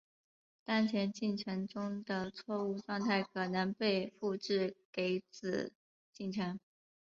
当前进程中的错误状态可能被复制给子进程。